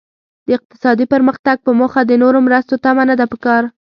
د اقتصادي پرمختګ په موخه د نورو مرستو تمه نده پکار.